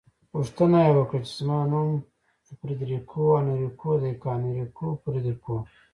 پوښتنه يې وکړه چې زما نوم فریدریکو انریکو دی که انریکو فریدریکو؟